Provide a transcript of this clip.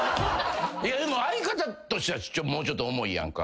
でも相方としてはもうちょっと重いやんか？